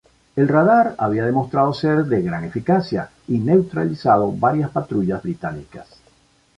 El radar había demostrado ser de gran eficacia, y neutralizado varias patrullas británicas.